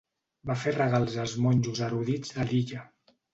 Va fer regals als monjos erudits de l'illa.